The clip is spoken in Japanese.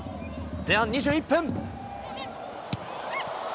前半２１分。